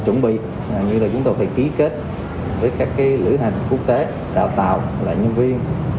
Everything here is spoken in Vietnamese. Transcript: chuẩn bị như là chúng tôi phải ký kết với các lữ hành quốc tế đào tạo là nhân viên